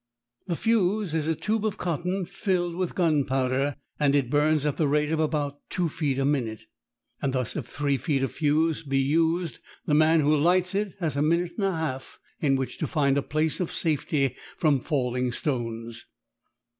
The fuse is a tube of cotton filled with gunpowder, and it burns at the rate of about two feet a minute. Thus if three feet of fuse be used the man who lights it has a minute and a half in which to find a place of safety from falling stones.